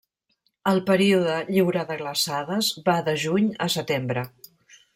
El període lliure de glaçades va de juny a setembre.